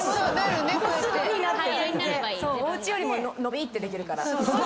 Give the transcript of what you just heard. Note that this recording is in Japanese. おうちよりも伸びってできるから。